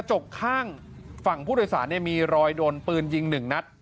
จกข้างฝั่งผู้โดยสารมีรอยโดนปืนยิง๑นัด